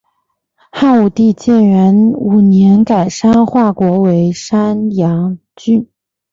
汉武帝建元五年改山划国为山阳郡。